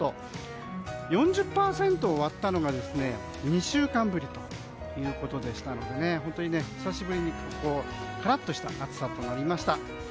４０％を割ったのが２週間ぶりということでしたので本当に久しぶりにカラッとした暑さとなりました。